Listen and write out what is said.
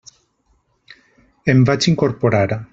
Em vaig incorporar.